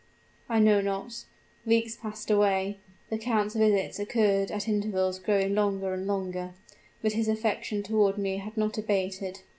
I know not! Weeks passed away; the count's visits occurred at intervals growing longer and longer but his affection toward me had not abated.